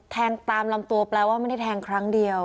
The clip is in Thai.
ตามลำตัวแปลว่าไม่ได้แทงครั้งเดียว